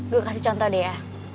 gue kasih contoh deh ya